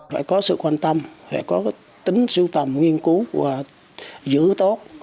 phải có sự quan tâm phải có tính sưu tầm nghiên cứu và giữ tốt